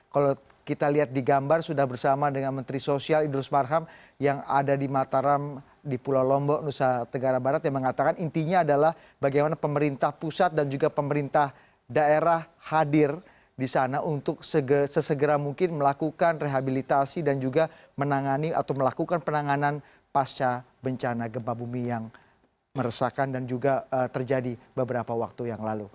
kita lihat di gambar sudah bersama dengan menteri sosial idrus marham yang ada di mataram di pulau lombok nusa tenggara barat yang mengatakan intinya adalah bagaimana pemerintah pusat dan juga pemerintah daerah hadir di sana untuk sesegera mungkin melakukan rehabilitasi dan juga menangani atau melakukan penanganan pasca bencana gempa bumi yang meresakan dan juga terjadi beberapa waktu yang lalu